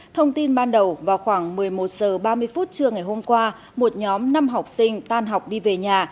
thông tin ban đầu vào khoảng một mươi một h ba mươi phút trưa ngày hôm qua một nhóm năm học sinh tan học đi về nhà